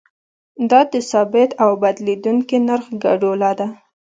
دا د ثابت او بدلیدونکي نرخ ګډوله ده.